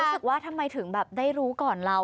รู้สึกว่าทำไมถึงแบบได้รู้ก่อนเรา